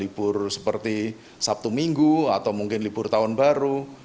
libur seperti sabtu minggu atau mungkin libur tahun baru